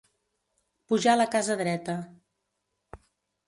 Pujar la casa dreta.